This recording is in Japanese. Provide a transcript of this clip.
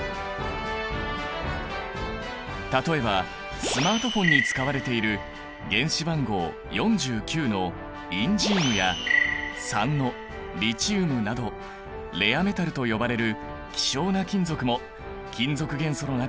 例えばスマートフォンに使われている原子番号４９のインジウムや３のリチウムなどレアメタルと呼ばれる希少な金属も金属元素の中に含まれているんだ。